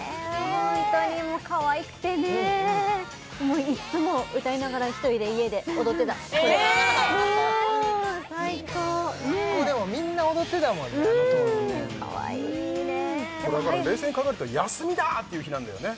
ホントにもうかわいくてねもういっつも歌いながら１人で家で踊ってたこれえっうん最高うんもうでもみんな踊ってたもんねあの当時ねうんかわいいねだから冷静に考えると「休みだ！」っていう日なんだよね